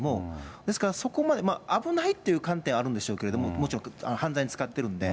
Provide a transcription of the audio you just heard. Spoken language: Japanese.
ですからそこまで危ないっていう観点はあるんでしょうけれども、もちろん、犯罪に使ってるんで。